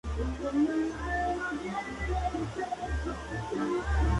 El juego presenta cinco casos.